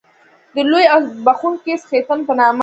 د لوی او بښوونکي څښتن په نامه.